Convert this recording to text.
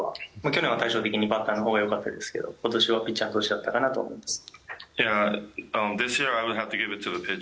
去年は対照的にバッターのほうがよかったですけど今年はピッチャーの年だったと思います。